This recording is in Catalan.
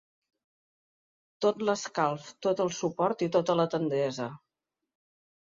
Tot l'escalf, tot el suport i tota la tendresa.